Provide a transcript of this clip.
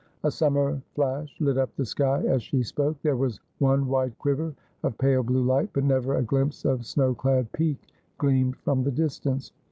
A summer flash lit up the sky as she spoke. There was one wide quiver of pale blue light, but never a glimpse of snow clad peak gleamed from the distance.